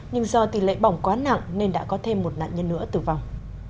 nhưng do tỷ lệ bỏng quá nặng nên đã có thêm một nạn nhân nữa tử vong